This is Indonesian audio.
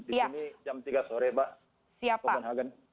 di sini jam tiga sore pak kopenhagen